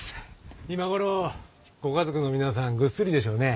今頃ご家族の皆さんぐっすりでしょうね。